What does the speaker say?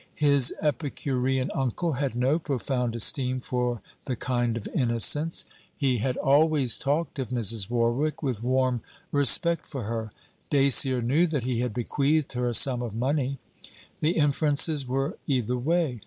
His epicurean uncle had no profound esteem for the kind of innocence. He had always talked of Mrs. Warwick with warm respect for her: Dacier knew that he had bequeathed her a sum of money. The inferences were either way.